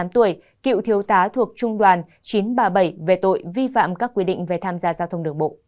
hai mươi tám tuổi cựu thiếu tá thuộc trung đoàn chín trăm ba mươi bảy về tội vi phạm các quy định về tham gia giao thông đường bộ